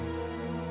ya udah yuk